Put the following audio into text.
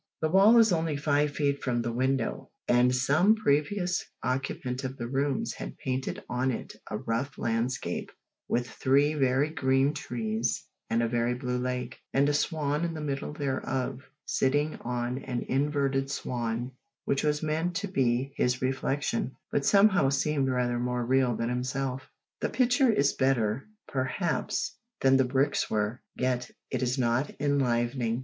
The wall is only five feet from the window, and some previous occupant of the rooms had painted on it a rough landscape, with three very green trees and a very blue lake, and a swan in the middle thereof, sitting on an inverted swan which was meant to be his reflection, but somehow seemed rather more real than himself. The picture is better, perhaps, than the bricks were, yet it is not enlivening.